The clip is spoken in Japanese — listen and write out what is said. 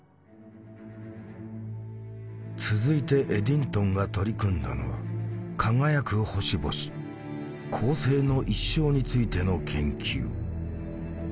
続いてエディントンが取り組んだのは輝く星々恒星の一生についての研究。